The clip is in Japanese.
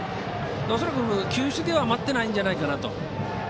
恐らく球種では待っていないんじゃないかなと。